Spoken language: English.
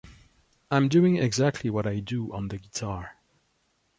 I'm doing exactly what I do on the guitar.